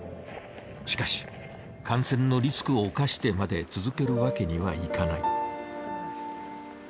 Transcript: しかし感染のリスクを冒してまで続けるわけにはいかない。